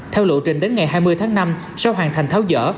theo lộ trình đến ngày hai mươi tháng năm sau hoàn thành tháo dở